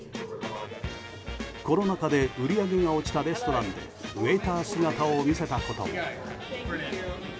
コロナ禍で売り上げが落ちたレストランでウエイター姿を見せたことも。